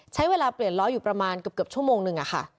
ใช้เวลาเปลี่ยนล้ออยู่ประมาณเกือบชั่วโมงนึง